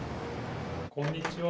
こんにちは。